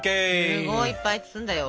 すごいいっぱい包んだよ！